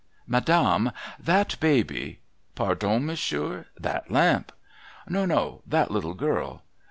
' Madame, that baby '' Pardon, monsieur. That lamp.* ' No, no, that little girl.'